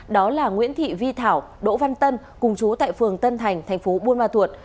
đó là nguyễn thị vi thảo đỗ văn tân cùng chú tại phường tân thành thành phố buôn ma thuột